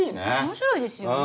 面白いですよね。